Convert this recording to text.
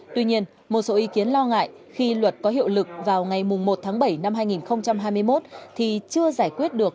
tuy nhiên một số ý kiến lo ngại khi luật có hiệu lực vào ngày một tháng bảy năm hai nghìn hai mươi một thì chưa giải quyết được